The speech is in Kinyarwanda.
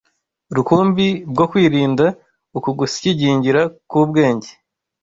rukumbi bwo kwirinda uku gusyigingira k’ubwenge